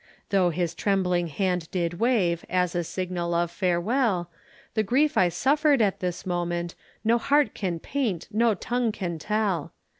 Though his trembling hand did wave As a signal of farewell, The grief I suffered at this moment No heart can paint, no tongue can tell.